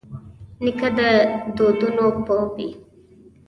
نیکه د دودونو پوه وي.